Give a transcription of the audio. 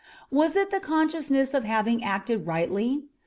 Was it the consciousness of having acted rightly?